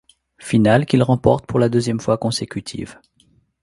Finale qu'il remporte pour la deuxième fois consécutive.